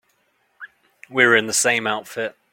We were in the same outfit.